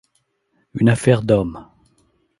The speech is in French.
Une affaire d’homme.